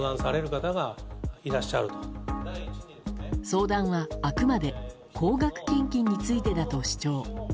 相談は、あくまで高額献金についてだと主張。